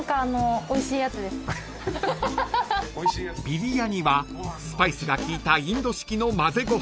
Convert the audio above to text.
［ビリヤニはスパイスが効いたインド式のまぜご飯］